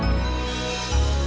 untuk menjelaskan yang jelas